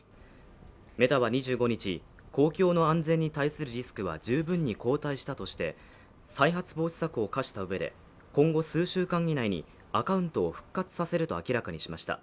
メタは２５日、公共の安全に対するリスクは十分に後退したとして、再発防止策を課したうえで今後数週間以内にアカウントを復活させると明らかにしました。